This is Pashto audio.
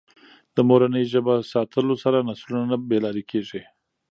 د مورنۍ ژبه ساتلو سره نسلونه نه بې لارې کېږي.